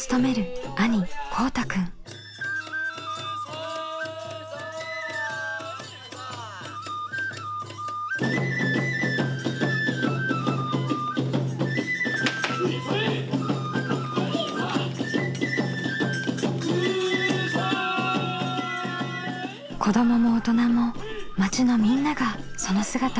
子どもも大人も町のみんながその姿を見つめていました。